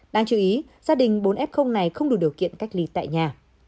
đáng chú ý gia đình bốn f này không đủ điều kiện cách ly tại nhà